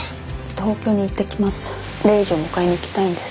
東京に行ってきます。